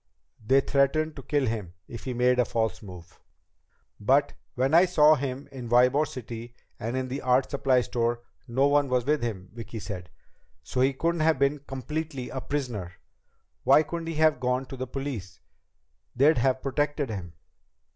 "They threatened to kill him if he made a false move." "But when I saw him in Ybor City and in the art supply store no one was with him," Vicki said. "So he couldn't have been completely a prisoner. Why couldn't he have gone to the police? They'd have protected him."